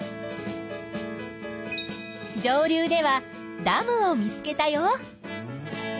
上流ではダムを見つけたよ。